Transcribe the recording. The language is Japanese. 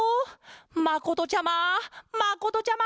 まことちゃままことちゃま！